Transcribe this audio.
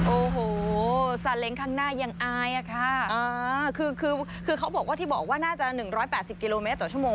โอ้โหซาเล้งข้างหน้ายังอายอ่ะค่ะอ่าคือคือคือเขาบอกว่าที่บอกว่าน่าจะหนึ่งร้อยแปดสิบกิโลเมตรต่อชั่วโมง